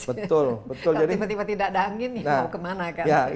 kalau tiba tiba tidak ada angin mau kemana